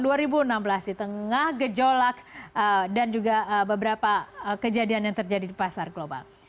di tengah gejolak dan juga beberapa kejadian yang terjadi di pasar global